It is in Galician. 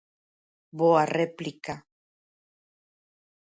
_Boa réplica.